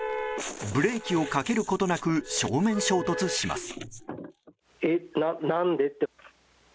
ブレーキをかけることなく正面衝突します。